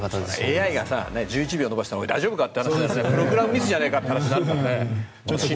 ＡＩが１１秒伸ばしたら大丈夫かって話プログラムミスじゃないかって話になるよね。